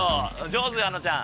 上手よあのちゃん。